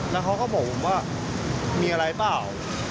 แล้วเขาก็บอกผมว่ามีอะไรเปล่า